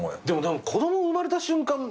でも子供生まれた瞬間